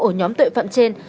ở nhóm tội phạm trên